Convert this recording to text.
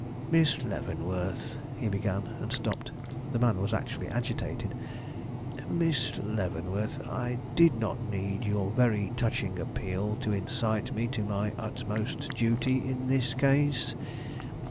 "Miss Leavenworth," he began, and stopped; the man was actually agitated. "Miss Leavenworth, I did not need your very touching appeal to incite me to my utmost duty in this case.